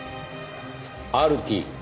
「ＲＴ」